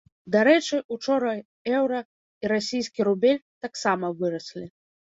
Дарэчы, учора еўра і расійскі рубель таксама выраслі.